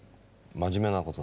真面目なこと。